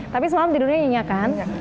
tapi semalam tidurnya nyenyak kan